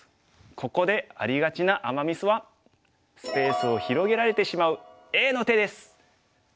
ここでありがちなアマ・ミスはスペースを広げられてしまうＡの手です。